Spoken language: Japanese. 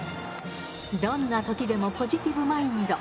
どんなときでもポジティブマインド。